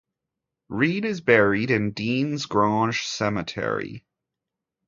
Reed is buried in Deans Grange Cemetery.